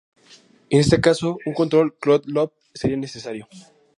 En este caso un control "closed-loop" seria necesario.